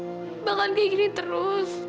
tapi mau sampai kapan kayak gini terus pak